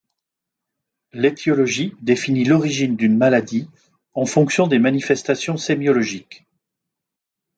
L'étiologie définit l'origine d'une maladie en fonction des manifestations sémiologiques.